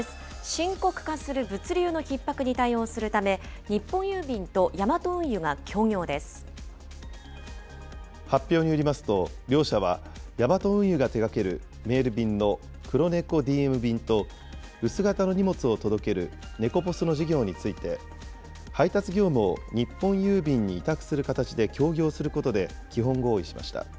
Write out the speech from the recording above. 深刻化する物流のひっ迫に対応するため、日本郵便とヤマト運輸が発表によりますと、両社はヤマト運輸が手がけるメール便のクロネコＤＭ便と、薄型の荷物を届けるネコポスの事業について、配達業務を日本郵便に委託する形で協業することで、基本合意しました。